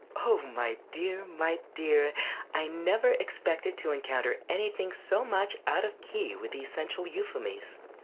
Oh, my dear, my dear, I never expected to encounter anything so much out of key with the essential euphonies.